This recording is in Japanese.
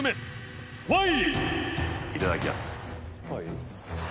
いただきやす。